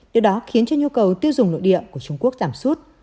điều đó khiến cho nhu cầu tiêu dùng nội địa của trung quốc giảm sút